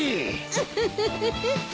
ウフフフ。